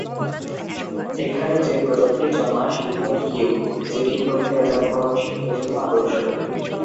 এখানে যে প্রজাতিটি জন্মায়, সেটি হল কিউ, যেটি প্রক্রিয়াজাতকরণ শিল্পের জন্য আদর্শ।